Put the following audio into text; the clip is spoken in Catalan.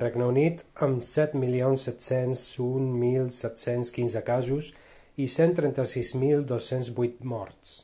Regne Unit, amb set milions set-cents un mil set-cents quinze casos i cent trenta-sis mil dos-cents vuit morts.